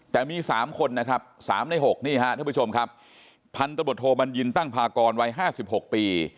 แต่มี๓คนนะครับ๓ใน๖นี่ฮะท่านผู้ชมครับพันธบทโทบัญญินตั้งพากรวัย๕๖ปี